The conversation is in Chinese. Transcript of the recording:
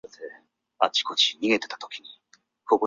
尔后则作为附近居民以及朝圣者而服务。